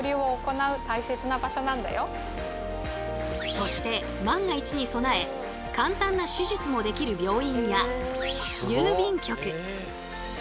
そして万が一に備え簡単な手術もできるそう！